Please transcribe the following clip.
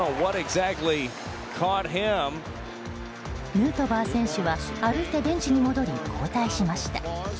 ヌートバー選手は歩いてベンチに戻り交代しました。